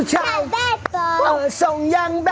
ชักอย่างโบย